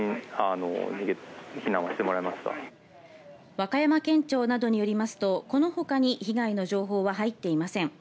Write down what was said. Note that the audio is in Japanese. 和歌山県庁などによりますと、この他に被害の情報は入っていません。